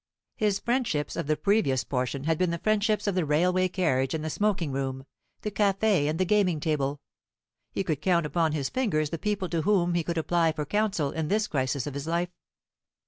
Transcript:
His friendships of the previous portion had been the friendships of the railway carriage and the smoking room, the café and the gaming table. He could count upon his fingers the people to whom he could apply for counsel in this crisis of his life.